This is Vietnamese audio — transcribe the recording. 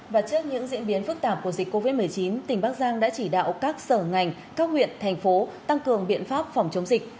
và trước những diễn biến phức tạp của dịch covid một mươi chín tỉnh bắc giang đã chỉ đạo các sở ngành các huyện thành phố tăng cường biện pháp phòng chống dịch